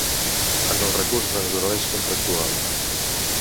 És un recurs de naturalesa contractual.